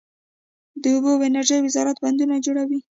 د اوبو او انرژۍ وزارت بندونه جوړوي